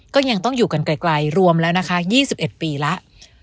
ก็ยังต้องอยู่กันไกลรวมแล้วนะคะ๒๑ปีแล้ว